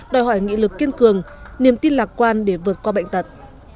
đòi hỏi nghị lực kiên cường niềm tin lạc quan để vượt qua bệnh tật